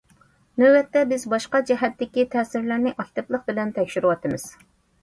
نۆۋەتتە بىز باشقا جەھەتتىكى تەسىرلەرنى ئاكتىپلىق بىلەن تەكشۈرۈۋاتىمىز.